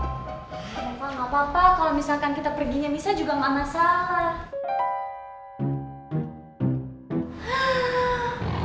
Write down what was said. gampang gak apa apa kalau misalkan kita perginya misal juga gak masalah